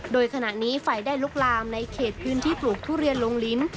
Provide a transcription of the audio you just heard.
โดยขณะนี้ไฟได้ลุกลามในเขตพื้นที่ปลูกทุเรียนลงลิ้น